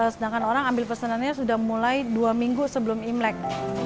sedangkan orang ambil pesanannya sudah mulai dua minggu sebelum imlek